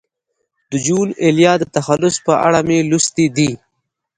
د جون ایلیا د تخلص په اړه مې لوستي دي.